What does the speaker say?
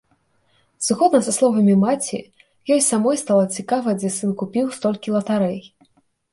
Згодна са словамі маці, ёй самой стала цікава, дзе сын купіў столькі латарэй.